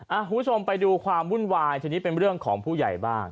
คุณผู้ชมไปดูความวุ่นวายทีนี้เป็นเรื่องของผู้ใหญ่บ้าง